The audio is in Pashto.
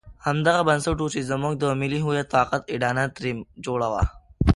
همدغه بنسټ وو چې زموږ د ملي هویت طاقت اډانه ترې جوړه وه.